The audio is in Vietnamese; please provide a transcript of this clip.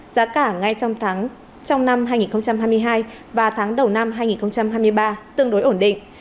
giá cả ngay trong năm hai nghìn hai mươi hai và tháng đầu năm hai nghìn hai mươi ba tương đối ổn định